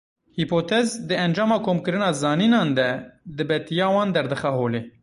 Hîpotez di encama komkirina zanînan de, dibetiya wan derdixe holê.